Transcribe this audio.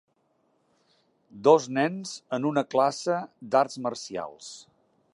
Dos nens en una classe d'arts marcials